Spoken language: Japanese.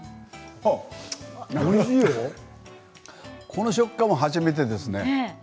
この食感は初めてですね。